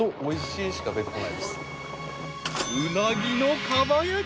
［うなぎの蒲焼き］